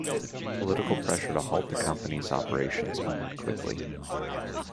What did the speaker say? Political pressure to halt the company's operations mounted quickly.